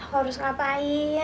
aku harus ngapain ya